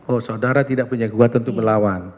oh saudara tidak punya kekuatan untuk menolak itu ya